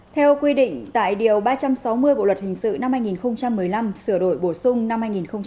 theo quy định tại điều ba trăm sáu mươi bộ luật hình sự năm hai nghìn một mươi năm sửa đổi bổ sung năm hai nghìn một mươi bảy